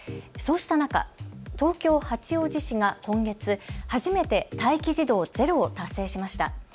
そうした中、東京八王子市が今月、初めて待機児童ゼロを達成しました。